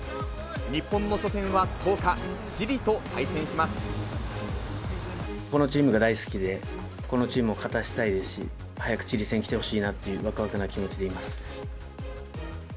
日本の初戦は１０日、このチームが大好きで、このチームを勝たせたいですし、早くチリ戦きてほしいなっていうわくわくな気持ちでいます。